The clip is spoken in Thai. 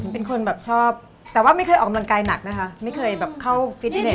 เป็นคนแบบชอบแต่ว่าไม่เคยออกกำลังกายหนักนะคะไม่เคยแบบเข้าฟิตเน็